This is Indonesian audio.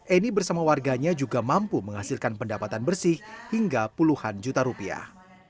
eni bersama warganya juga mampu menghasilkan pendapatan bersih hingga puluhan juta rupiah